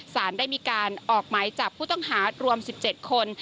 สารได้มีการออกหมายจับผู้ต้องหารวม๑๗คน